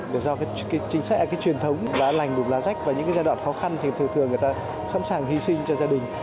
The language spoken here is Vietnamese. để do chính sách cái truyền thống lá lành đùm lá rách và những cái giai đoạn khó khăn thì thường thường người ta sẵn sàng hy sinh cho gia đình